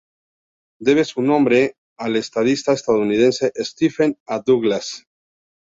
Debe su nombre al estadista estadounidense Stephen A. Douglas.